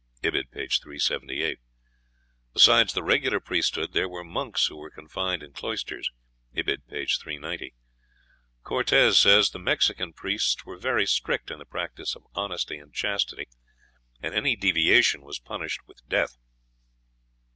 (Ibid., p. 378.) Besides the regular priesthood there were monks who were confined in cloisters. (Ibid., p. 390.) Cortes says the Mexican priests were very strict in the practice of honesty and chastity, and any deviation was punished with death.